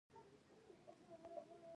کله مؤلف خپل مأخذ نه يي ښولى.